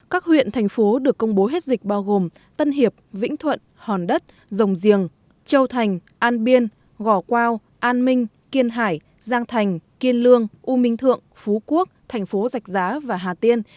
các huyện thành phố được công bố hết dịch bao gồm tân hiệp vĩnh thuận hòn đất rồng giềng châu thành an biên gò quao an minh kiên hải giang thành kiên lương u minh thượng phú quốc thành phố giạch giá và hà tiên